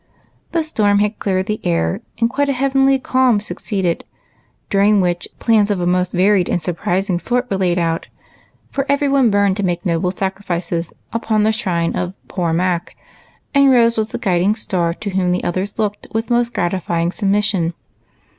The storm had cleared the air, and quite a heavenly calm succeeded, during which plans of a most varied and surprising sort were laid, for every one burned to make noble sacrifices upon the shrine of "poor Mac,'* and Rose was the guiding star to whom the others looked with most gratifying submission.